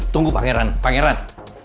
tunggu pangeran pangeran